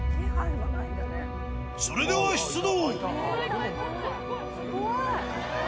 それでは出動。